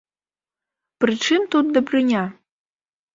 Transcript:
Пры чым тут дабрыня?